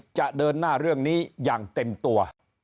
จะเดินหน้าเรื่องนี้อย่างเต็มตัว